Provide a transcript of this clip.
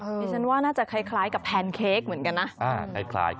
ดิฉันว่าน่าจะคล้ายกับแพนเค้กเหมือนกันนะ